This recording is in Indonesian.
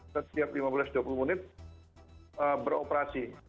setiap lima belas dua puluh menit beroperasi